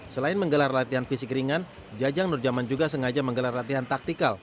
selain menggelar latihan fisik ringan jajang nurjaman juga sengaja menggelar latihan taktikal